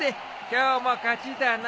今日も勝ちだな。